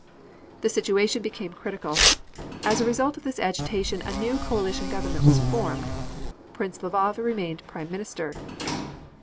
The situation became critical. As a result of this agitation a new coalition government was formed. Prince Lvov remained Prime Minister.